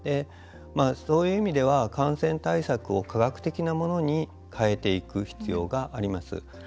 そういう意味では感染対策を科学的なものに変えていく必要があります。